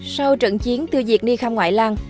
sau trận chiến tư diệt ni kham ngoại lan